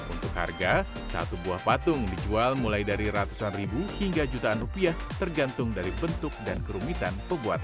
untuk harga satu buah patung dijual mulai dari ratusan ribu hingga jutaan rupiah tergantung dari bentuk dan kerumitan